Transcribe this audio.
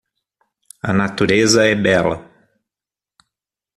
A natureza é bela.